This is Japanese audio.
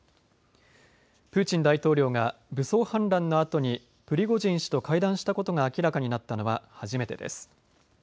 プーチン大統領が武装反乱のあとにプリゴジン氏と会談したことが明らかになったのは初めてです。